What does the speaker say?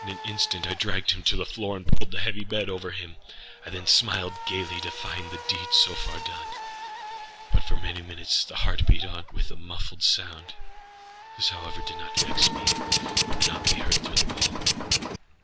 In an instant I dragged him to the floor, and pulled the heavy bed over him. I then smiled gaily, to find the deed so far done. But, for many minutes, the heart beat on with a muffled sound. This, however, did not vex me; it would not be heard through the wall.